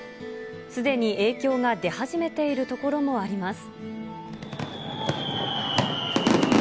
すでに影響が出始めている所もあります。